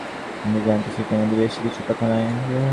মহেন্দ্র জানিত, চিঠির মধ্যে বেশি কিছু কথা নাই।